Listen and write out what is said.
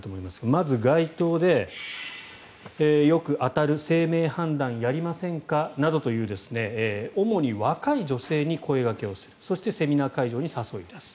まず、街頭でよく当たる姓名判断やりませんかなどという主に若い女性に声掛けをするそして、セミナー会場に誘い出す。